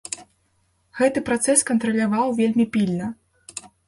Гэты працэс кантраляваў вельмі пільна.